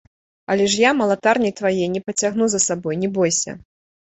Але ж я малатарні твае не пацягну за сабою, не бойся.